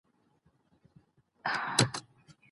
که چېرې تاسو ته درد پېښ شي، نو ډاکټر ته زنګ ووهئ.